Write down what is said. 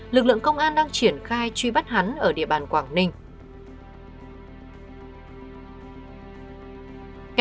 lực lượng công an đang triển khai truy bắt hắn ở địa bàn quảng ninh